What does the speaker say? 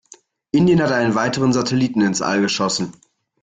Indien hat einen weiteren Satelliten ins All geschossen.